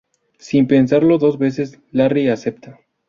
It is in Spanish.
Sin pensarlo dos veces, Larry acepta.